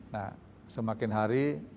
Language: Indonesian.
nah semakin hari